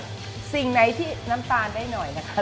สิ่งไหนที่น้ำตาลได้หน่อยนะคะ